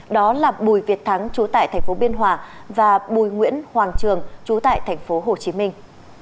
đó là bùi việt thắng chú tại tp biên hòa và bùi nguyễn hoàng trường chú tại tp hồ chí minh